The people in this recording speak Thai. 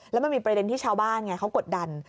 แล้วมันมีประเด็นที่ชาวบ้านไงเขากดดัน